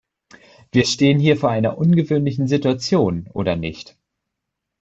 Wir stehen hier vor einer ungewöhnlichen Situation, oder nicht?